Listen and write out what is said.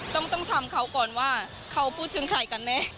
ต้องทำเขาก่อนว่าเขาพูดถึงใครกันแน่